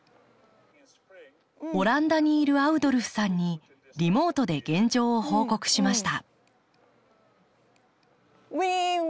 オランダにいるアウドルフさんにリモートで現状を報告しました。